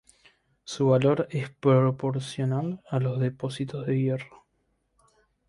Su valor es proporcional a los depósitos de hierro.